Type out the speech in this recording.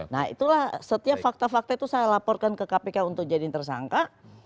nah itulah setiap fakta fakta itu saya laporkan ke kpk untuk jadiin tersangka